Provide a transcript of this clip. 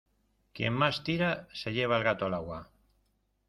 Quien más tira, se lleva el gato al agua.